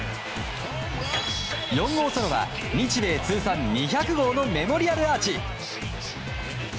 ４号ソロは日米通算２００号のメモリアルアーチ。